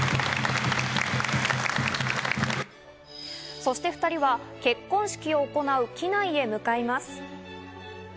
そして２人は結婚式を行う機内へ向かいます。